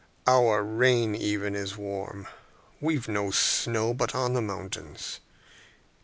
Our rain even is warm. We've no snow but on the mountains.